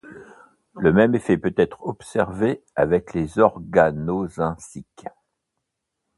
Le même effet peut être observé avec les organozinciques.